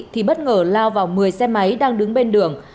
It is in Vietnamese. thì bất ngờ lao vào một mươi xe máy đang đứng bên đường